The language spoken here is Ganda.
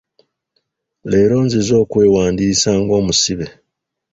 Leero nzize okwewandiisa ng'omusibe.